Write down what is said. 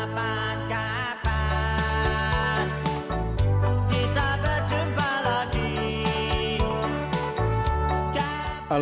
kapan kapan kita berjumpa lagi kapal